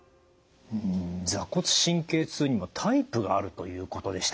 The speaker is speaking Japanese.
坐骨神経痛にはタイプがあるということでした。